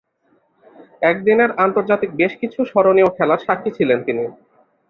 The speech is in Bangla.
একদিনের আন্তর্জাতিকে বেশ কিছু স্মরণীয় খেলার স্বাক্ষী ছিলেন তিনি।